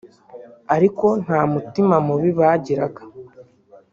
ariko nta mutima mubi bagiraga